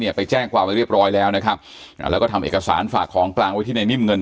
ไปแจ้งความไว้เรียบร้อยแล้วนะครับอ่าแล้วก็ทำเอกสารฝากของกลางไว้ที่ในนิ่มเงิน